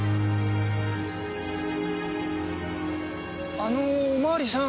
あのお巡りさん。